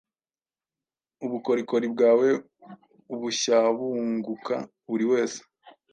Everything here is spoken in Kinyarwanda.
Ubukorikori bwawe bushyabunguka buri wese